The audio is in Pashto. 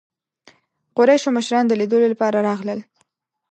قریشو مشران د لیدلو لپاره راغلل.